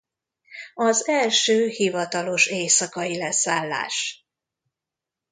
Az első hivatalos éjszakai leszállás.